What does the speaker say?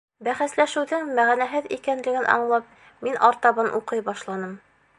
Бәхәсләшеүҙең мәғәнәһеҙ икәнлеген аңлап, мин артабан уҡый башланым.